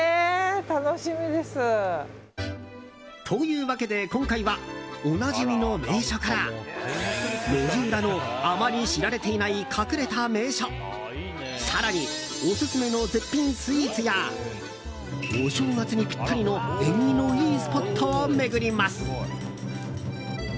というわけで、今回はおなじみの名所から路地裏のあまり知られていない隠れた名所更に、オススメの絶品スイーツやお正月にぴったりの縁起のいいスポットを巡ります。